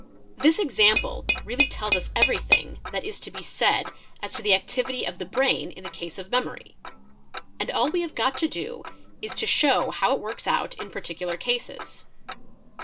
'"' This example really tells us : everything that is to be said as to the activity of the brain in the case of _ memory, and all we have got to do is to show how it works out in parti ~ cular cases.